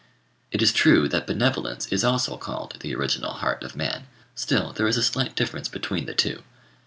It is true that benevolence is also called the original heart of man; still there is a slight difference between the two.